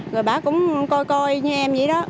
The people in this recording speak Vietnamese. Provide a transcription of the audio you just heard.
rồi bà cũng coi coi như em vậy đó